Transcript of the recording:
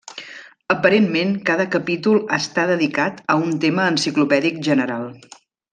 Aparentment cada capítol està dedicat a un tema enciclopèdic general.